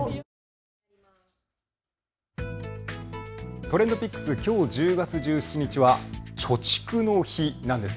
ＴｒｅｎｄＰｉｃｋｓ、きょう１０月１７日は貯蓄の日なんです。